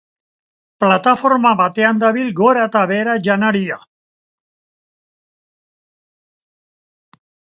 Plataforma batean dabil gora eta behera janaria.